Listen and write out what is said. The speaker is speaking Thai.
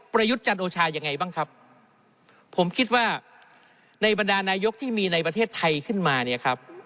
ยุทธ์จันโอชายังไงบ้างครับผมคิดว่าในบรรดานายกที่มีในประเทศไทยขึ้นมาเนี่ยครับ